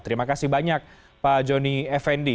terima kasih banyak pak joni effendi